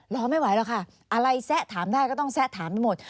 รอไม่ไหวหรอกค่ะอะไรแซะถามได้ก็ต้องแซะถามให้หมด